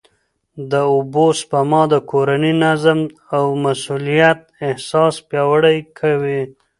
د اوبو سپما د کورني نظم او مسؤلیت احساس پیاوړی کوي.